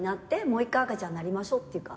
もう一回赤ちゃんになりましょうっていうか。